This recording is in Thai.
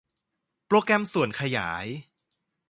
โปรแกรมส่วนขยาย